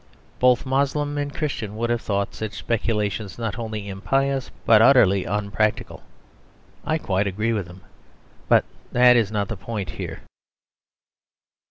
Both Moslem and Christian would have thought such speculations not only impious but utterly unpractical. I quite agree with them; but that is not the point here.